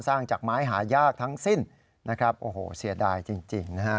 จากไม้หายากทั้งสิ้นนะครับโอ้โหเสียดายจริงนะฮะ